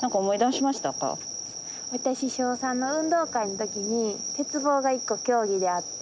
私小３の運動会の時に鉄棒が一個競技であって。